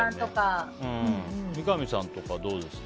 三上さんとかどうですか。